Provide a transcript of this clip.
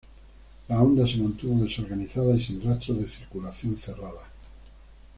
La onda se mantuvo desorganizada y sin rastros de circulación cerrada.